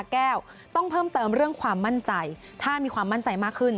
แก้วต้องเพิ่มเติมเรื่องความมั่นใจถ้ามีความมั่นใจมากขึ้น